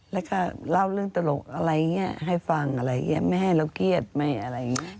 แล้วก็เล่าเรื่องตลกอะไรอย่างนี้ให้ฟังอะไรอย่างนี้ไม่ให้เราเกลียดไม่อะไรอย่างนี้